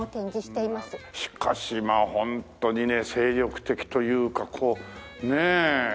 しかしまあホントにね精力的というかこうねえ。